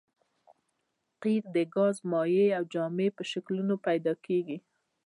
قیر د ګاز مایع او جامد په شکلونو پیدا کیږي